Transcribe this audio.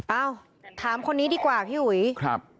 เอ้าถามคนนี้ดีกว่าพี่อุ๋ยครับ